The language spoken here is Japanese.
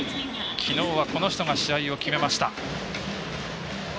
きのうはこの人が試合を決めました。